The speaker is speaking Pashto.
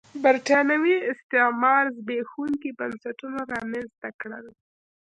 برېټانوي استعمار زبېښونکي بنسټونه رامنځته کړل.